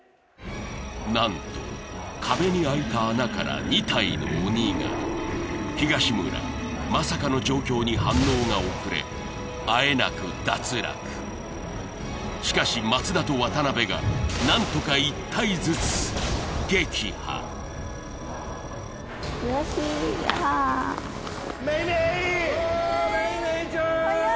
何と壁に開いた穴から２体の鬼が東村まさかの状況に反応が遅れあえなく脱落しかし松田と渡辺が何とか１体ずつ撃破悔しいはあめいめいー！